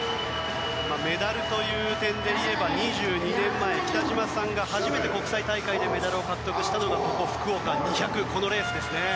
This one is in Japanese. メダルという点で言えば２２年前、北島さんが初めて国際大会でメダルを獲得したのがここ福岡２００このレースですね。